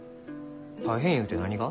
大変ゆうて何が？